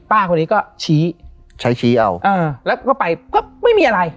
ป้าคนนี้ก็ชี้ใช้ชี้เอาแล้วก็ไปก็ไม่มีอะไร